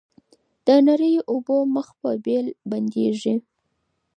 د نریو اوبو مخ په بېل بندیږي